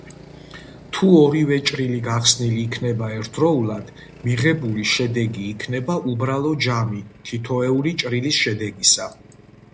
თუ ორივე ჭრილი გახსნილი იქნება ერთდროულად, მიღებული შედეგი იქნება უბრალოდ ჯამი თითოეული ჭრილის შედეგისა.